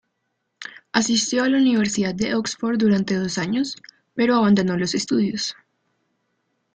Asistió a la Universidad de Oxford durante dos años, pero abandonó los estudios.